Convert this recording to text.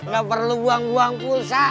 gak perlu buang buang pulsa